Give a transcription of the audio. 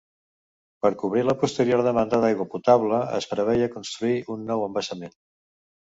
Per cobrir la posterior demanda d’aigua potable, es preveia construir un nou embassament.